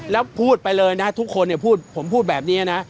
แล้วพูดไปเลยนะทุกคนผมพูดแบบนี้นะ